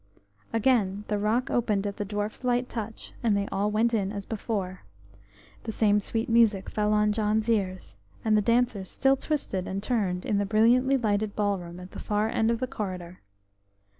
Again the rock opened at the dwarf's light touch and they all went in as before. The same sweet music fell on John's ears, and the dancers still twisted and turned in the brilliantly lighted ballroom at the far end of the corridor.